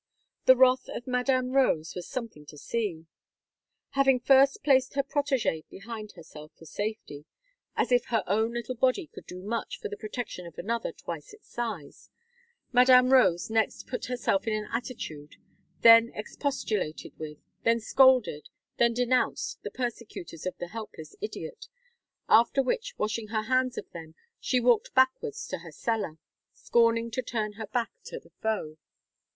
The wrath of Madame Rose was something to see. Having first placed her protege behind herself for safety as if her own little body could do much for the protection of another twice its size Madame Rose next put herself in an attitude, then expostulated with, then scolded, then denounced the persecutors of the helpless idiot; after which washing her hands of them, she walked backwards to her cellar, scorning to turn her back to the foe.